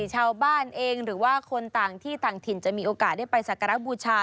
ชาวบ้านเองหรือว่าคนต่างที่ต่างถิ่นจะมีโอกาสได้ไปสักการะบูชา